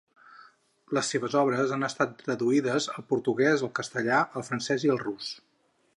Les seves obres han estat traduïdes al portuguès, al castellà, al francès i al rus.